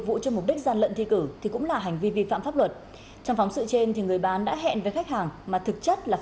vâng thưa quý vị hành vi gian lận trong thi cử thì dù bằng hình thức nào